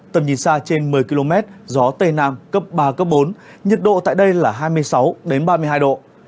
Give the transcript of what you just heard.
tầm nhìn xa trên một mươi km gió tây nam cấp ba cấp bốn nhiệt độ tại đây là hai mươi sáu ba mươi hai độ